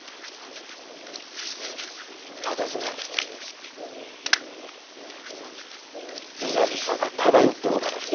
たたずまいに雅さが漂っておられる。